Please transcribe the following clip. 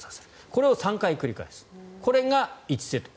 これを３回繰り返すこれが１セット。